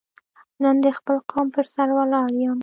نن د خپل قوم په سر ولاړ یم.